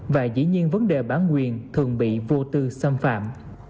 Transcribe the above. và dĩ nhiên vấn đề bản quyền thường bị vô tư xâm phạm